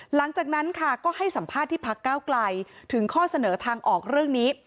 หลังจากนั้นค่ะก็ให้สัมภาษณ์ที่พักเก้าไกลถึงข้อเสนอทางออกเรื่องนี้